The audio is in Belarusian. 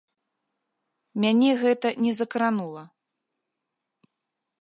Мяне гэта не закранула.